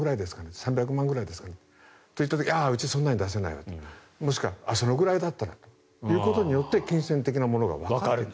３００万円くらいですかねと言うとうち、それは出せないよもしくはそのくらいだったらということによって金銭的なものがわかる。